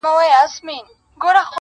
كه څه هم تور پاته سم سپين نه سمه,